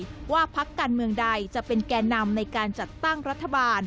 เป็นชี้ตายว่าภักดิ์การเมืองใดจะเป็นแก่นำในการจัดตั้งรัฐบาล